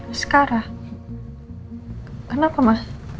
ascara kenapa ma